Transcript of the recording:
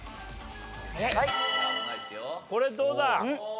これどうだ？